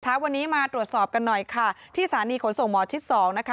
เช้าวันนี้มาตรวจสอบกันหน่อยค่ะที่สถานีขนส่งหมอชิดสองนะคะ